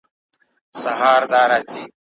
آیا ته غواړې چې زما سره په دې سفر کې شریک شې؟